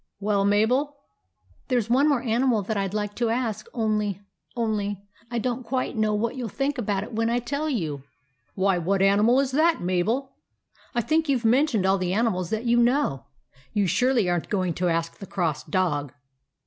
" Well, Mabel ?" M There 's one more animal that I 'd like to ask, only — only — I don't quite know what you '11 think about it when I tell you." "Why, what animal is that, Mabel? I think you Ve mentioned all the animals that you know. You surely aren't going to ask the Cross Dog."